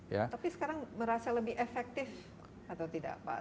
tapi sekarang merasa lebih efektif atau tidak pak